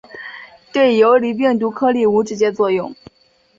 对游离病毒颗粒无直接作用。